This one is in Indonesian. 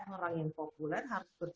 orang yang populer harus berpikir